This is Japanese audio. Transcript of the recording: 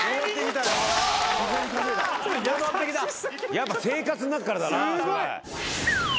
やっぱ生活の中からだな。